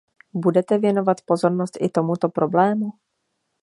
Budete věnovat pozornost i tomuto problému?